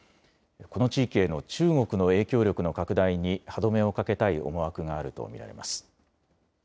この地域への中国の影響力の拡大に歯止めをかけたい思惑があると見られます。